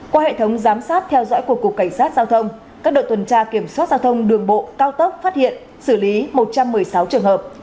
qua hệ thống giám sát theo dõi của cục cảnh sát giao thông các đội tuần tra kiểm soát giao thông đường bộ cao tốc phát hiện xử lý một trăm một mươi sáu trường hợp